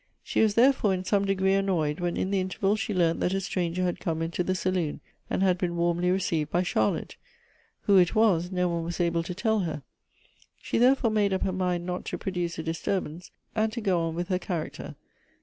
She was, tlierefore, in some degree annoyed when in the interval she learnt that a stranger had come into the saloon, and had been warmly received by Charlotte. Who it was, no one was able to tell her. She therefore made up her mind not to produce a dis turbance, and to go on with her character.